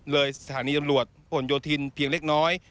เลยสถานีจังหลวดผลโยธินเพียงเล็กน้อย